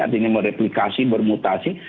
artinya mereplikasi bermutasi